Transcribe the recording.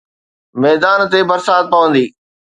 ميدان تي برسات پوندي